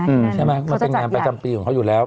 ใช่ไหมเขาจะจับใหญ่มันเป็นน้ำประจำปีของเขาอยู่แล้ว